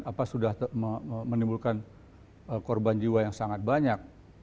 apa sudah menimbulkan korban jiwa yang sangat banyak